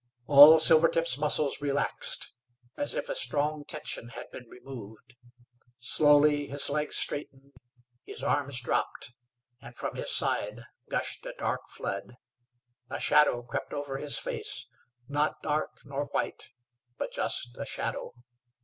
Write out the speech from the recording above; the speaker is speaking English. All Silvertip's muscles relaxed as if a strong tension had been removed. Slowly his legs straightened, his arms dropped, and from his side gushed a dark flood. A shadow crept over his face, not dark nor white, but just a shadow.